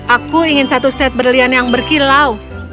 aku ingin satu set berlian yang berkilau